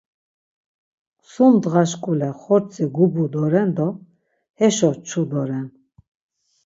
Sum ndağaşkule xortzi gubu doren do heşo çu doren.